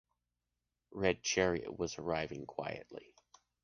Red chariot was arriving quietly.